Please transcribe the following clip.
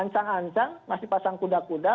panjang masih pasang kuda kuda